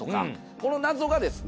この謎がですね